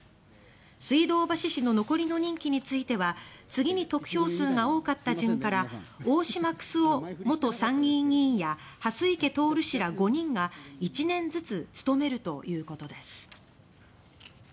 水道橋氏の残りの任期については次に得票数が多かった順から大島九州男元参議院議員や蓮池透氏ら５人が１年ずつ務めるということです。